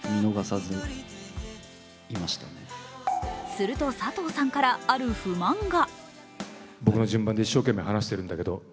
すると、佐藤さんからある不満が。